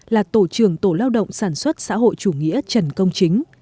là tổ trưởng tổ lao động sản xuất xã hội chủ nghĩa trần công chính